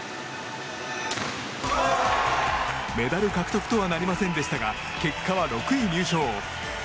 メダル獲得とはなりませんでしたが結果は６位入賞。